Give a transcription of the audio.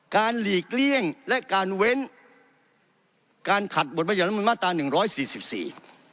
การหลีกเลี่ยงและการเว้นการขัดบทประเภทมนตร์มาตราหนึ่งร้อยสี่สิบสี่